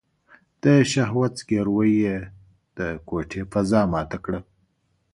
د شهوت ځګيروی يې د کوټې فضا ماته کړه.